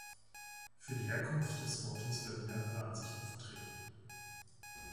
Für die Herkunft des Wortes werden mehrere Ansichten vertreten.